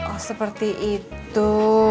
oh seperti itu